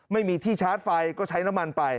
ไม่มีที่ชาร์จไฟก็ใช้น้ำมันไป